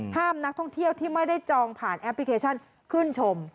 ห้ามนักท่องเที่ยวที่ไม่ได้จองผ่านแอปพลิเคชันขึ้นชม